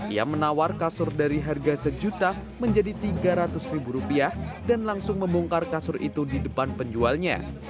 ia menawar kasur dari harga sejuta menjadi tiga ratus ribu rupiah dan langsung membongkar kasur itu di depan penjualnya